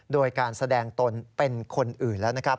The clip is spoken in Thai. โดยการแสดงตนเป็นคนอื่นแล้วนะครับ